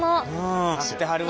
あっいてはるわ。